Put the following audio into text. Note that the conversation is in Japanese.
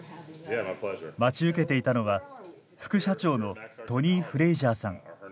待ち受けていたのは副社長のトニー・フレイジャーさん。